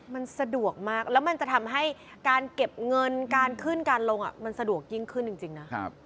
มันสะดวกมากแล้วมันจะทำให้การเก็บเงินการขึ้นการลงมันสะดวกยิ่งขึ้นจริงนะ